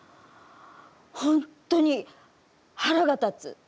本当に、腹が立つ。